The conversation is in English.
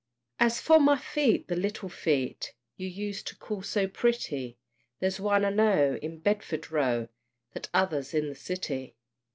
As for my feet, the little feet You used to call so pretty, There's one, I know, in Bedford Row, The t'other's in the City.